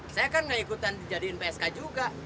saya kan gak ikutan jadiin psk juga